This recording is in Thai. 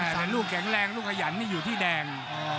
แต่ลูกแข็งแรงลูกขยันนี่อยู่ที่แดง